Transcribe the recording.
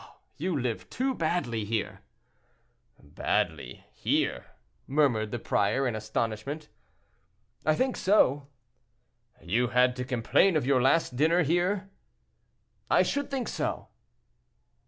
"Oh! you live too badly here." "Badly, here!" murmured the prior, in astonishment. "I think so." "You had to complain of your last dinner here?" "I should think so."